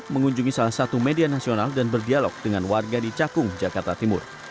mengunjungi salah satu media nasional dan berdialog dengan warga di cakung jakarta timur